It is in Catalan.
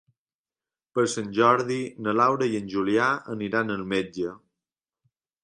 Per Sant Jordi na Laura i en Julià aniran al metge.